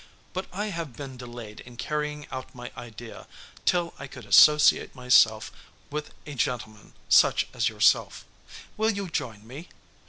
But I have been delayed in carrying out my idea till I could associate myself with a gentleman such as yourself. Will you join me?